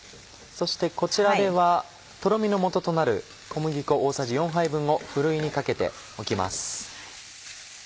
そしてこちらではトロミのもととなる小麦粉大さじ４杯分をふるいにかけておきます。